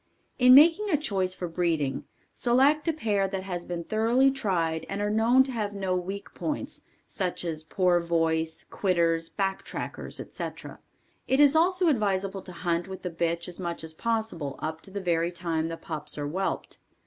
In making a choice for breeding, select a pair that has been thoroughly tried and are known to have no weak points, such as poor voice, quitters, back trackers, etc. It is also advisable to hunt with the bitch as much as possible up to the very time the pups are whelped.